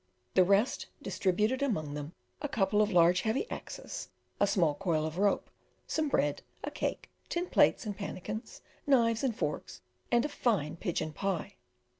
The rest distributed among them a couple of large heavy axes, a small coil of rope, some bread, a cake, tin plates and pannikins, knives and forks, and a fine pigeon pie.